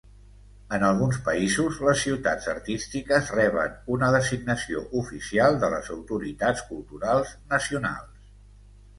En alguns països, les ciutats artístiques reben una designació oficial de les autoritats culturals nacionals.